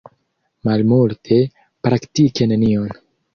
Malmulte, praktike nenion.